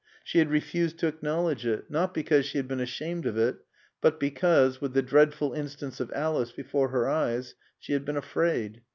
She had refused to acknowledge it, not because she had been ashamed of it but because, with the dreadful instance of Alice before her eyes, she had been afraid.